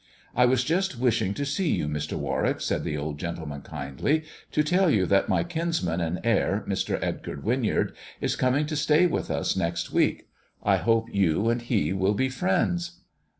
"I was just wishing to see you, Mr. Warwick," said the old gentleman kindly, " to tell you that my kinsman and heir, Mr. Edgar Winyard, is coming to stay with us next week. I hope you and he will be friends."